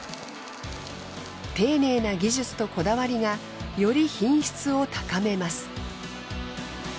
丁寧な技術とこだわりがより品質を高めます。